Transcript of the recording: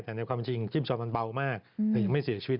แต่ในความจริงจิ้มซอนมันเบามากแต่ยังไม่เสียชีวิต